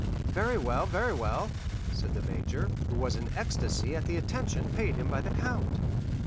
"Very well, very well," said the major, who was in ecstasy at the attention paid him by the count.